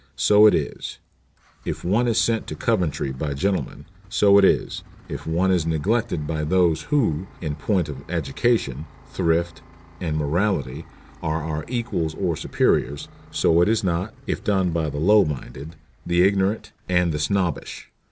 So it is, if one is sent to Coventry by gentlemen. So it is, if one is neglected by those who, in point of education, thrift, and morality are our equals or superiors. So it is not, if done by the low minded, the ignorant, and the snobbish.